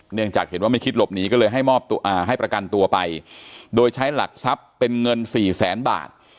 เนื่องจากเห็นว่าไม่คิดหลบหนีก็เลยให้ประกันตัวไปโดยใช้หลักทรัพย์เป็นเงินสี่แสนบาท